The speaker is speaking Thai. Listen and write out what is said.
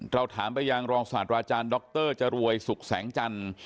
เราถามไปอย่างรองศาลราชาญดรจรวยสุขแสงจันทร์